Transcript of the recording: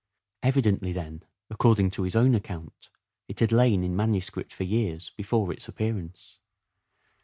Evidently then, according to his own account, it had lain in manuscript for years before its appearance.